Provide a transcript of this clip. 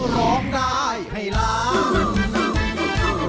ร้องได้ให้ล้าน